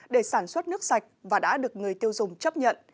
để sản xuất nước sạch và đã được người tiêu dùng chấp nhận